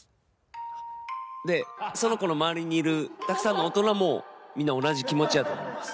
「でその子の周りにいるたくさんの大人もみんな同じ気持ちやと思います」